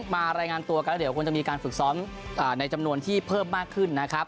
รายงานตัวกันแล้วเดี๋ยวคงจะมีการฝึกซ้อมในจำนวนที่เพิ่มมากขึ้นนะครับ